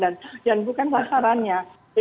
dan bukan sasarannya